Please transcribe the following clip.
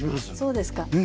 そうですかはい。